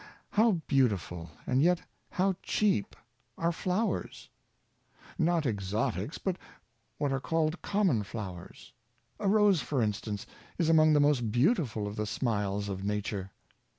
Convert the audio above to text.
How beautiful and yet how cheap are flowers! Not exotics, but what are called common flowers. A rose, for instance, is among the most beautiful of the smiles of nature.